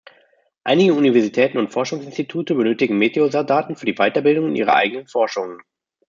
Einige Universitäten und Forschungsinstitute benötigen Meteosat-Daten für die Weiterbildung und ihre eigenen Forschungen.